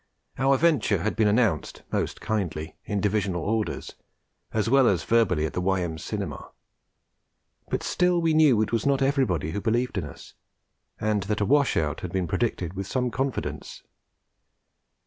Our venture had been announced, most kindly, in Divisional Orders, as well as verbally at the Y.M. Cinema; but still we knew it was not everybody who believed in us, and that 'a wash out' had been predicted with some confidence.